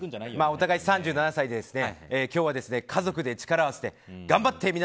お互い３７歳で、今日は家族で力を合わせて頑張って。